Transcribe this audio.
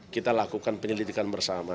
kita lakukan penyelidikan